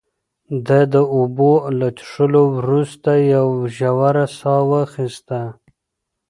ده د اوبو له څښلو وروسته یوه ژوره ساه واخیسته.